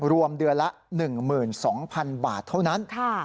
รวมเดือนละหนึ่งหมื่นสองพันบาทเท่านั้นค่ะ